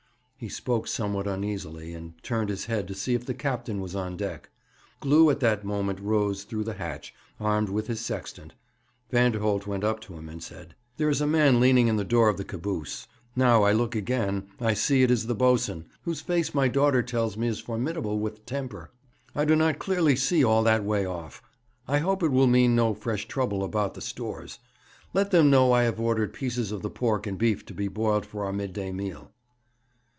He spoke somewhat uneasily, and turned his head to see if the captain was on deck. Glew at that moment rose through the hatch, armed with his sextant. Vanderholt went up to him, and said: 'There is a man leaning in the door of the caboose now I look again I see it is the boatswain whose face my daughter tells me is formidable with temper. I do not clearly see all that way off. I hope it will mean no fresh trouble about the stores. Let them know I have ordered pieces of the pork and beef to be boiled for our mid day meal.'